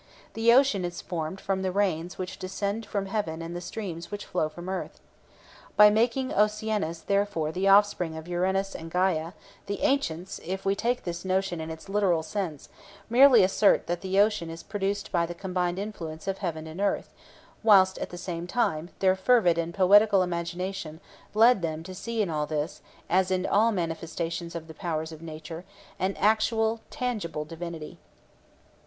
The ocean is formed from the rains which descend from heaven and the streams which flow from earth. By making Oceanus therefore the offspring of Uranus and Gæa, the ancients, if we take this notion in its literal sense, merely assert that the ocean is produced by the combined influence of heaven and earth, whilst at the same time their fervid and poetical imagination led them to see in this, as in all manifestations of the powers of nature, an actual, tangible divinity.